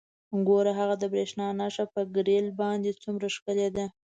ګوره هغه د بریښنا نښه په ګریل باندې څومره ښکلې ده